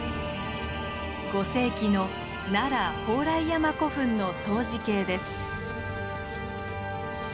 ５世紀の奈良・宝来山古墳の相似形です。